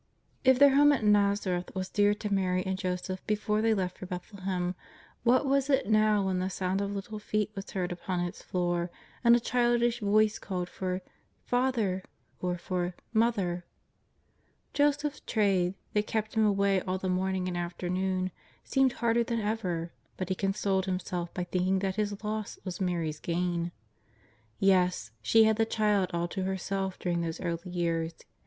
If their home at l^azareth was dear to Mary and Jo seph before they left for Bethlehem, what was it now when the sound of little feet was heard upon its floor, and a childish voice called for " Father " or for '^ Mo ther!'' Joseph's trade, that kept him away all the morning and afternoon, seemed harder than ever, but he consoled himself by thinking that his loss was Mary's gain. Yes, she had the Child all to herself during those early years.